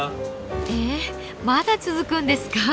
えっまだ続くんですか？